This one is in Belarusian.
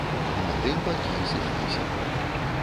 На тым бакі і сышліся.